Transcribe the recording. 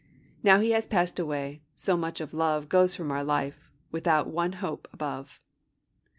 Now he has passed away, so much of love Goes from our life, without one hope above!